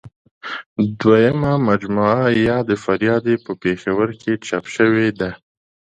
دویمه مجموعه یاد فریاد یې په پېښور کې چاپ شوې ده.